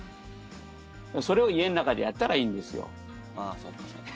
それを家の中でやったらいいんですよ。